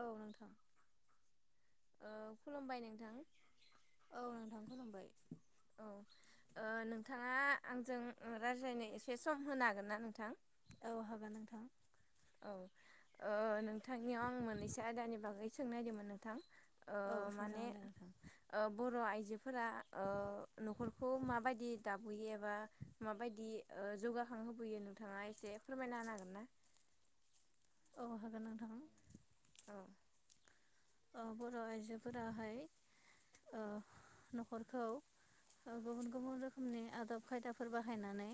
औ नोंथां। खुलुमबाय नोंथां औ नोंथां खुलुबाय औ नोंथाङा आंजों रायज्लायनो एसे सम होनो हागोन ना नोंथां औ हागोन नोंथां औ नोंथांनियाव आं मोननैसो आयदानि बागै सोंनो नागिरदोंमोन औ नोंथां माने सोंजागोन दे नोंथां बर' आइजो आइजोफोरा न'खरखौ माबायदि दाबोयो एबा माबायदि जौगा खां होबोैयो नोंथाङा एसे फोरमायना होन हागोन ना? औ हागोन नोंथां औ बर' आइजोफोराहाय न'खरखौ गुबुन गुबुन रोखोमनि आदब खायदाफोर बाहायनानै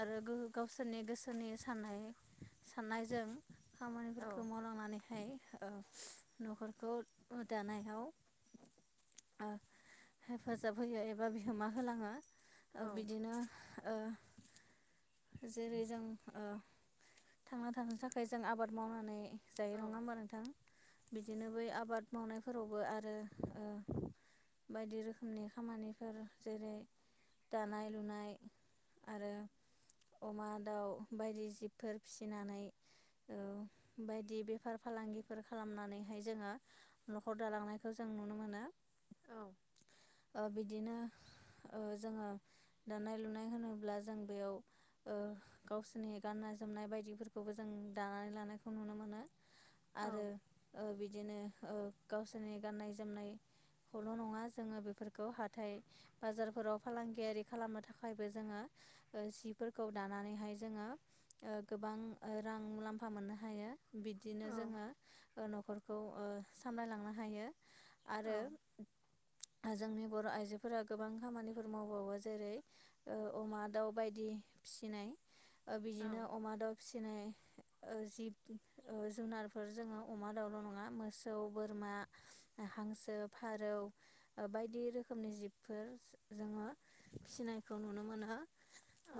आरो गावसोरनि गोसोनि साननाय साननायजों खामानिफोरखौ औ मावलांनानैहाय न'खर खौ दानायाव हेफाजाब होयो एबा बिहोमा होलाङो। औ बिदिनो ओ जेरै जों थांना थानो थाखाय जों आबाद मावनानै जायो नङा औ होमबा नोंथां बिदिनो बै आबाद मावनायफोरावबो आरो। बायदि रोखोमनि खामानिफोर जेरै दानाय लुनाय आरो अमा दाउ बायदि जिबफोर फिसिनानै बायदि बेफार फालांगिफोर खालामनानैहाय नखर दालांनायखौ जों नुनो मोन औ बिदिनो जोङो दानाय लुनाय होनोब्ला जों बेयाव गावसोरनि गान जोमनाय बायदिफोरखौबो जों दानानै लानायखौ नुनो मोन औ आरो। बिदिनो ओ-गावसोरनि गाननाय जोमनाय। खौल' नङा जोङो बेफोरखौ हाथाय बाजारफोराव फालांगियारि खालामनो थाखायबो जोङो। ओ-सिफोरखौ दानानैहाय जोङो ओ-गोबां ओ-रां मुलाम्फा मोननो हायो। औ बिदिनो जोङो न'खरखौ ओ-सामलायलांनो हायो। औ आरो। जोंनि बर' आइजोफोरा गोबां खामानिफोर मावबावो जेरै' ओ-अमा, दाउ बायदि- फिसिनाय औ ओ-बिदिनो अमा दाउ फिसिनाय। ओ-जिब ओ-जुनारफोर जोङो अमा दाउल' नं ङा मोसै बोरा हांसो फारौ ओ-बायदि रखनि जिफ बो जोङो फिनायखौ नुनो मोनो।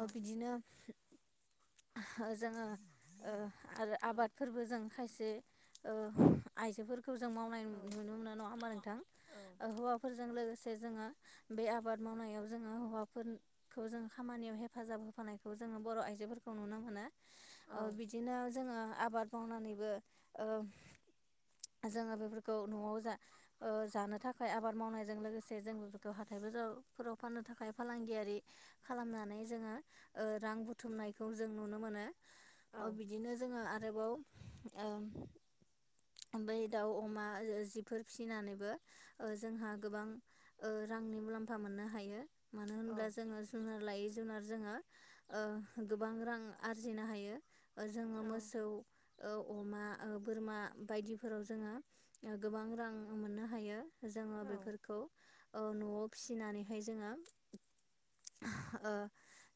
ओ-बिदिनो ओ-जोङो ओ- आरो आबादफोरबो जों खायसे ओ- आइजोफोर। खौ जों मावनाय औ नुनो मोनो नङा होमबा नोंथां ओ- हौवाफोरजों लोगोसे जोङो। बे आबाद मावनायाव जोङो हौवाफोरखौ जों खामानियाव हेफाजाब होफानायखौ जोङो बर' आइ जोफोरखौ नुनो मोनो। ओ- बिदिनो जोङो आबाद मावनानैबो ओ- जोङो बेफोरखौ न'आव जा ओ- जानो थाखाय आबाद मावनायजों लोगोसे जों बेफोरखौ हाथा [inaudible] फोराव फाननो थाखाय फालांगियारि खालामनानै जोङो ओ- रां बुथुमनायखौ जों नुनो मोनो। औ अ बिदिनो जोङो आरोबाव ओ- ओमब्बाय दाउ अमा जि जिफोर फिसिनानैबो ओ-जोंहा गोबां ओ रां मुल्लामफा मोननो हायो मानोहोनब्ला औ जोङो जुनारलायै जु जुनार जोङो ओ-गोबां रां आरजिनो हायो। ओ-जोङो औ ओ-मोसौ ओ-अमा ओ- बोरमा। बायदिफोराव जोङो गोबां रां मोननो हायो जोङो। औ बेफोरखौ ओ-न'आव फिसिनानैहाय जोङो। ओ-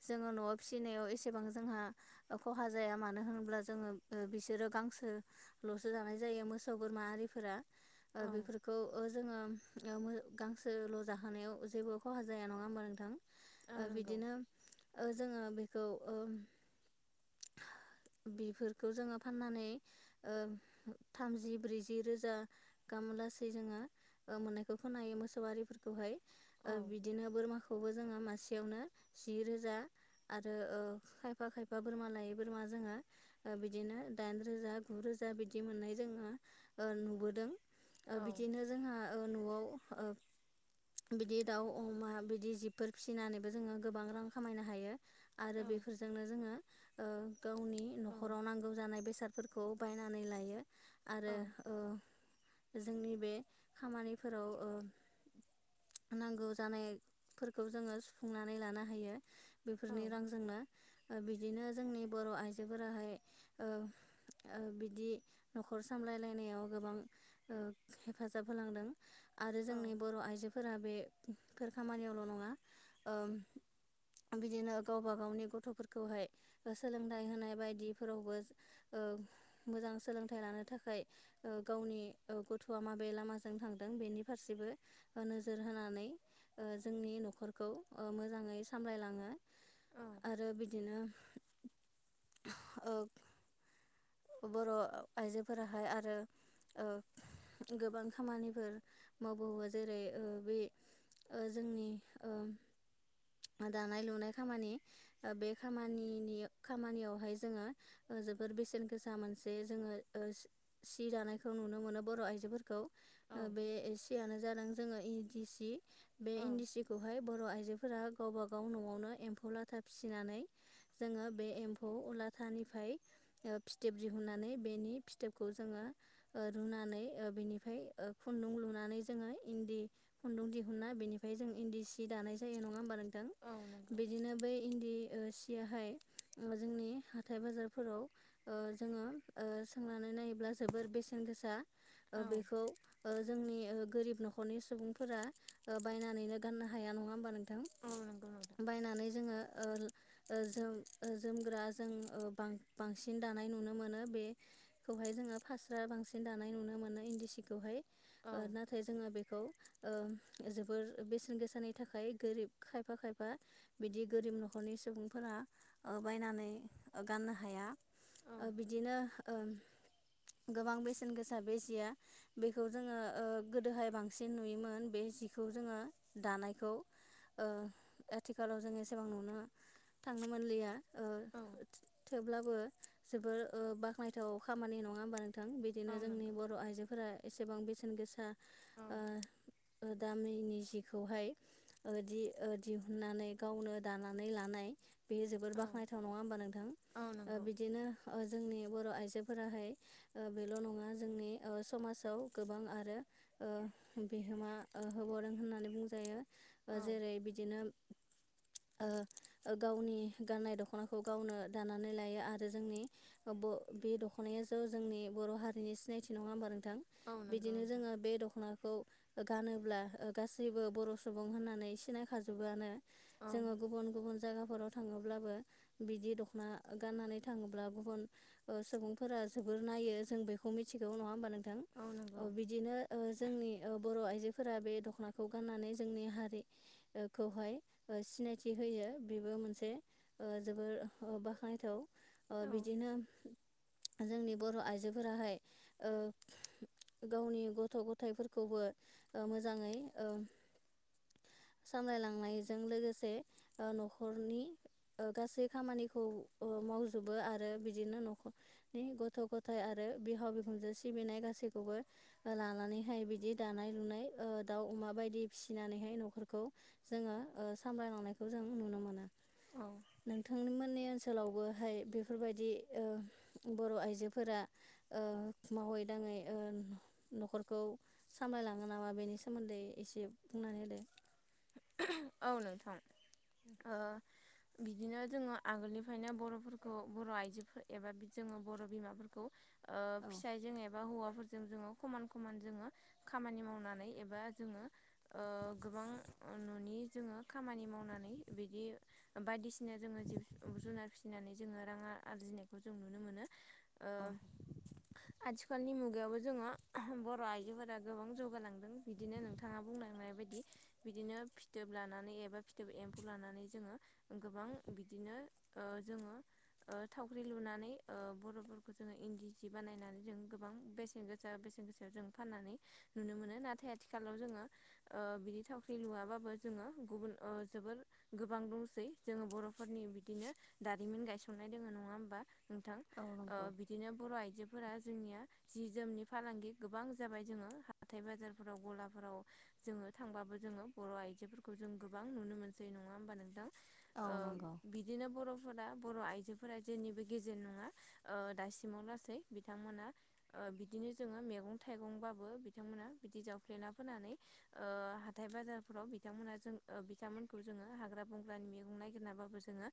जोङो न'आव फिसिनायाव एसेबां जोंहा ओ-खहा जाया मानो होनो ब्ला जोङो ओ- बेसोरो गांसो लो सो जानाय जायो मोसौ बोरमा आरिफोरा औ ओ-बेफोरखौ ओ- जोङो। [inaudible] गांसोल' जाहोनायाव जेबो खहा जाया नङा होमबा नोंथां? औ ओ- नंगौ बिदिनो ओ-जोङो बेखौ ओ- [inaudible] बेफोरखौ जोङो फाननानै ओ- थामजि ब्रैजि रोजा। मुलासे जोङो ओ-मोननाय खोनायो मोसौआरिफोरखौहाय औ ओ-बिदिनो बोरमाखो खौबो जोङो मासेयावनो जि रोजा आरो ओ-खायफा खायफा बोरमा लायै बोरमा जोङो ओ-बिदिनो दाइन रोजा गु रोजा बिदि मोननाय जोङो। नुबोदों औ ओ- बिदिनो जोंहा ओ- न'आव ओ- बिदि दाउ अमा बिदि जिबफोर फिसिनानैबो जोङो गोबां रां खामायनो हायो। आरो औ बेफोरजोंनो जोङो ओ-गावनि न'खराव नांगौ जानाय बेसाद- फोरखौ बायनानै लायो औ आरो ओ- जोंनि बे खामानिफोराव ओ- नांगौ जानायफोरखौ जोङो सुफुंनानै लानो हायो। बेफोरनि रांजोंनो ओ-बिदिनो जोंनि बर' आइजोफोराहाय ओ- ओ-बिदि न'खर सामलायलायनायाव गोबां ओ-हेफाजाब होलांदों। आरो औ जोंनि बर' आइजोफोरा बेफोर खामानियावल' नङा। ओ- बिदिनो गावब गावनि गथ'फोरखौहाय। सोलोंथाइ होनाय बायदिफोरावबो ओ-मोजां सोलोंथाइ लानो थाखाय। ओ-गावनि ओ गथ'आ माबे लामाजों थांदों बेनि फारसेबो ओ-नोजोर होनानै। ओ-जोंनि न'खरखौ ओ-मोजाङै सामलायलाङो। औ आरो बिदिनो ओ- बर' आइजोफोराहाय आरो। ओ गोबां खामानिफोर मावबावो जेरै ओ बे ओ जोंनि ओ दानाय लुनाय खामानि ओ बे खामनिनि खामानियावहाय जोङो ओ जोबोर बेसेन गोसा मोनसे जोङो ओ सि दानायखौ नुनो मोनो बर' आइजोफोरखौ बे सियानो जादों जोङो इन्दि सि बे औ इन्दि सि खौहाय बर' आइजो गावबाागाव न'वावनो एम्फौ लाथा फिसिनानै जोङो बे एम्फौ लाथानिफ्राय फिथोब दिहुननानै बेनि फिथोबखौ जोङो ओ रुनानै ओ बेनिफाय खुन्दुं लुनानै जोङो इन्दि खुन्दुं दिहुना बेनिफ्राय जों इन्दि सि दानाय जायो नङा होमबा औ नंगौ बिदिनो बै इन्दि सियाहाय जोंनि हाथाय बाजारफोराव ओ जोङो ओ सोंनानै नायोब्ला जोबोर बेसेन गोसा ओ औ बेखौ ओ जोंनि ओ गोरिब न'खरनि सुबुंफोरा ओ बायनानैनो गाननो हाया नङा होमबा नोंथां औ नंगौ नोंथां बायनानै जोङो ओ ओ जोम जोमग्रा जों ओ बां बांसिन दानाय नुनो मोनो बेखौ ओमफाय जोङो फास्रा बांसिन दानाय नुनो मोनो इन्दि सिखौहाय औ ओ नाथाय जोङो बेखौ ओ जोबोर बेसेन गोसाानि थाखाय गोरिब खाय खायफा खायफा बिदि गोरिब नख'रनि सुबुंफोरा ओ बायनानै ओ गाननो हाया औ ओ बिदिनो ओ [inaudible] गोबां बेसेन गोसा बे जिया बेखौ जोङो ओ गोदोहाय बांसिन नुयोमोन बे जिखौ जोङो दानायखौ ओ आथिखालाव जों एसेबां नुनो थांनो मोनलिया ओ औ थेवबो थेवब्लाबो जोबोर बाख्नायथाव खामानि नङा होमबा नोंथां बिदिनो औ जोंनि नंगौ बर' आइजोफोरा एसेबां बेसेन गोसा औ ओ दामैनि जिेखौहाय दि दिहुननानै गावनो दानानै लानाय बेयो जोबोर औ बाख्नायथाव नङा होमबा नोंथां औ ओ नंगौ बिदिनो ओ जोंनि बर' आइजोफोराहाय बेल' नङा जोंनि ओ समाजाव गोबां आरो ओ बिहोमा ओ होबावदों होननानै बुंजायो औ ओ जेरै बिदिनो ओ ओ गावनि गाननाय दख'नाखौ गावनो दानानै लायो आरो जोंनि बे दख'नाय ज' जोंनि बर' हारिनि सिनायथि नङा होम औ नंगौ बिदिनो नोंथां जोङो बे दख'नाखौ गानोब्ला ओ गासैबो बर' सुबुं होननानै सिनायखाजोबोआनो औ जोङो गुबुन गुबुन जायगाफोराव थां थाङोब्लाबो बिदि दख'ना गाननानै थाङोब्ला गुबुन ओ सुबुंफोरा जोबोर नाय नायो जों बेखौ मिथिगौ नङा होनबा नोंथां औ ओ नंगौ बिदिनो ओ जोंनि ओ बर' आइजो फोरा बे दख'नाखौ गाननानै जोंनि हारि खौहाय सिनायथि होयो बेबो मोनसे ओ जोबोर ओ बाख्नायथाव ओ औ बिदिनो जोंनि बर' आइजोफोराहाय ओ गावनि गथ' गथायफोरखौबो ओ मोजाङै ओ [inaudible] सामलायलांनायजों लोगोसे ओ नख'रनि ओ गासै खामानिखौ ओ मावजोबो आरो बिदिनो नख'रनि गथ' गथाय आरो बिहाव बिखुनजो सिबिनाय गासैखौबो लानानैहाय बिदि दानाय लुनाय ओ दाउ अमा माबायदि फिसिनानैहाय नख'र खौ जोङो ओ सामलायलांनायखौ जों नुनो मोनो औ नोंथां मोननि ओनसोलावबोहाय बेफोरबायदि ओ बर' आइजोफोरा ओ मावै दाङै ओ नख'रखौ सामलायलाङो नामा बेनि सोमोन्दै एसे बुंनानै होदो औ नोंथां ओ बिदिनो जोङो आगोलनिफ्रायनो बर'फोरखौ बर' आइजोफोर एबा जोङो बर' बिमाफोरखौ ओ औ फिसाइ जों एबा हौवा फोरजों जोंङो खमान खामान जोंङो खामानि मावनानै एबा जोंङो ओ गोबां अ न'नि जोंङो खामानि मावनानै बिदि बायदिसि जिनो जोंङो जिब जुनार फिसिनानै जोंङो रांङा आरजिनायखौ जों नुनो मोनो। ओ आथिखालनि मुगायावबो जोंङो बर' आइजोफोरा गोबां जौगालांदों बिदिनो नोंथांङा बुंनांनाय बैदि बिदिनो फिथोब लानानै एबा फिथोब एम्फौ लानानै जोंङो गोबां बिदिनो जोंङो ओ थावख्रि लुनानै ओ बर'फोरखौ जोंङो इन्दि सि बानायनानै जों गोबां बेसेन गोसा बे गोन गोजा जों फाननानै नुनो मोनो ना आथिखालाव जोंङो ओ बिनि थाव फैेलुवाबाबो जों गुबुन जोबोर गोबां दंसै जोंङो बर'फोरनि बिदिनो जारिमिन गायसननाय दोंङो नंङा होनबा नोंथां? औ बिदिनो बर' आजो फोरा जोंनिया जि जोमनि फालांगि गोबां जाबाय जोंङो हाथाय बाजारफोराव गलाफोराव जोंङो थांबाबो जोंङो बर' आइजोफोरखौ जों गोबां नुनो मोनसै नंङा होमबा नोंथां? औ ओ नंगौ बिदिनो बर' फोरा बर' आइजोफोरा जेनिबो गेजेर नंङा ओ दासिमाव लासै बिथांमोना ओ ओबिदिनो जोंङो मैगं थाइगंबाबो बिथांमोना बिदि जावफ्लेना फोनानै ओ थाइ बाजारफोराव बिथांमोना जों ओ बिथांमोनखौ जोंङो हाग्रा बंग्रानि मैगं नागिरनाबाबो जोंङो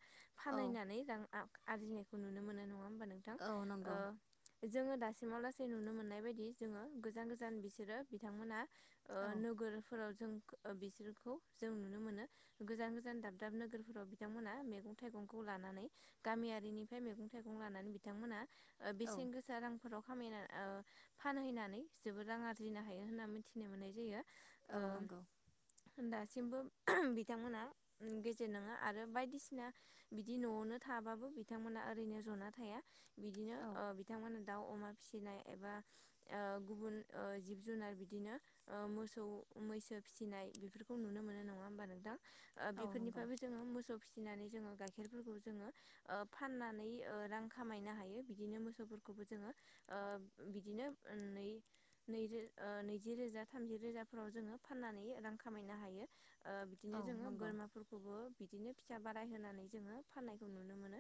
औ फाननानै रां आरजिनायखौ नुनो मोनो नंङा ओमबा नोंथां औ ओ नंगौ जों दा दासिमाव लासै नुनो मोननाय बायदि जोंङो गोजान गोजान बिसोरो बिथांमोना ओ औ नोगोरफोराव जों खौ बिसोरखौ जों नुनो मोनो गोजान गोजान दाब दाब नोगोरफोराव बिथांमोना मैगं थाइगंखौ लानानै गामियारिनि फाय मैगं थाइगं लानानै बिथांमोना औ बेसेन गोसा रां फोराव खामायना फानहैनानै जोबोद रां आरजिनो हायो होनना मिथिनो मोननाय जायो। औ ओ नंगौ। दासिमबो बिथांमोना गेजेर नंङा आरो बायदिसिना बिदि न'आवनो नो थाबाबो बिथां मोना ओरैनो जना थाया औ बिथां मोना दाव अमा फिसिनाय एबा ओ गुबुन ओ जिब जुनार बिदिनो ओ मोसौ मैसो फिसिनाय बेफोरखौ नुनो मोनो नंङा होमबा नोंथां? ओ औ नंगौ बेफोरनिफ्रायबो जोंङो मोसौ फिनानै जोंङो गाइखेरफोरखौ जोंङो ओ फाननानै रां खामनो हायो बिदिनो मोसौफोरखौ जोंङो ओ बिदिनो नै नै रो नैजि रोजा थामजि रोजाफोराव जोंङो फाननानै रां खामायनो हायो बिदिनो औ जोंङो नंगौ बोरमाफोरखौबो बिदिनो फिसा बाराय होनानै जोंङो फाननायखौ नुनो मोनो।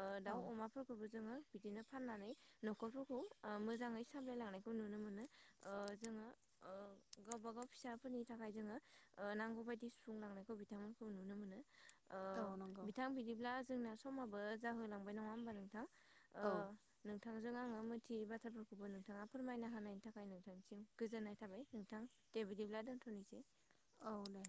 ओ दाव औ अमाफोरखौबो जोंङो बिदिनो फाननानै न'खरफोरखौ ओ मोजांङै सामलायलांनायखौ नुनो मोनो, ओ जोंङो गावबा गाव फिसाफोरनि थाखाय जोंङो ओ नांगौ बायदि सुफुंलांनायखौ बिथांमोनखौ नुनो मोनो। ओ औ नंगौ बिथां बिदिब्ला जोंना समाबो जाहोलांबाय नंङा होमबा नों औ थांजों आंङो मिथियै बाथ्राफोरखौबो नोंथांङा फोरमायनो हानायनि थाखाय नोंथांसिम गोजोननाय थाबाय नोंथां। दे बिदिब्ला दोन्थ'नोसै। औ दे।